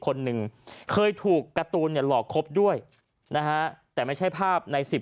๑๐คนนึงเคยถูกการ์ตูนหลอกครบด้วยนะฮะแต่ไม่ใช่ภาพใน